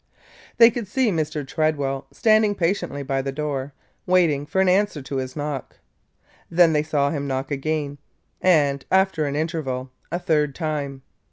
They could see Mr. Tredwell standing patiently by the door, waiting for an answer to his knock. Then they saw him knock again and, after an interval, a third time.